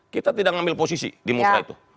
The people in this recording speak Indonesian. kita tidak ngambil posisi di musrah itu